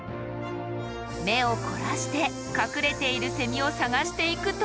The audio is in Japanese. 目を凝らして隠れているセミを探していくと。